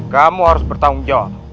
kamu harus bertanggung jawab